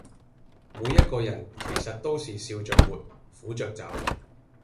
每一個人其實都是笑著活，苦著走